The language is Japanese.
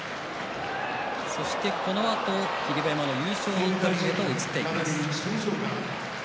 このあと霧馬山の優勝インタビューに移っていきます。